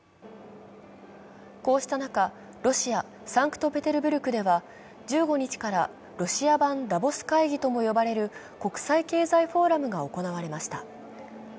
こうした中、ロシア・サンクトペテルブルクでは１５日からロシア版ダボス会議とも呼ばれる国際経済フォーラムが行われました。